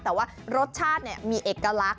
แต่ว่ารสชาติมีเอกลักษณ